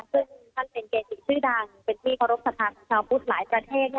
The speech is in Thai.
ซึ่งท่านเป็นเกจิชื่อดังเป็นที่เคารพสัทธาของชาวพุทธหลายประเทศ